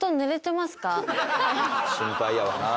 心配やろな。